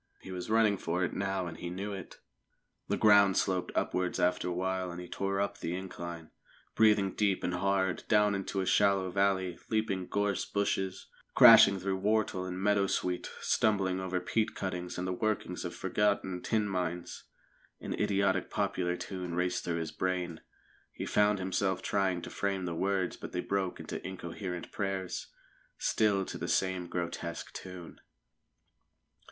He was running for it now, and he knew it. The ground sloped upwards after a while, and he tore up the incline, breathing deep and hard; down into a shallow valley, leaping gorse bushes, crashing through whortle and meadowsweet, stumbling over peat cuttings and the workings of forgotten tin mines. An idiotic popular tune raced through his brain. He found himself trying to frame the words, but they broke into incoherent prayers, still to the same grotesque tune.